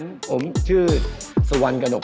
คุณชูวิทย์สวัสดีค่ะ